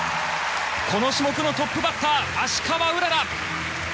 この種目のトップバッター芦川うらら。